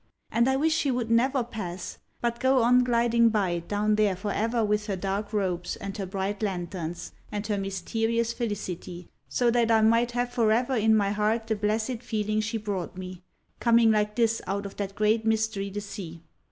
And I wished she would never pass, but go on gliding by down there for ever with her dark ropes, and her bright lanterns, and her mysterious felicity, so that I might have for ever in my heart the blessed feeling she brought me, coming like this out of that great mystery the sea.